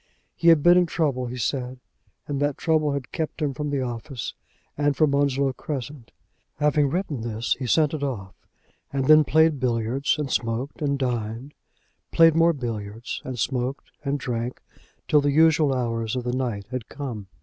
He had been in trouble, he said, and that trouble had kept him from the office and from Onslow Crescent. Having written this, he sent it off, and then played billiards and smoked and dined, played more billiards and smoked and drank till the usual hours of the night had come.